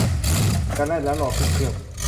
จะแล่นแล้ว รอขึ้นเครื่อง